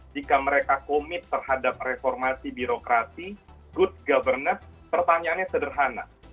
jika mereka komit terhadap reformasi birokrasi good governance pertanyaannya sederhana